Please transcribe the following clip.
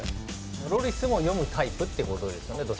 ロリスも読むタイプということですよね。